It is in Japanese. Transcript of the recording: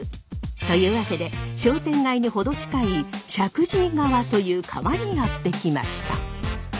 というわけで商店街に程近い石神井川という川にやって来ました。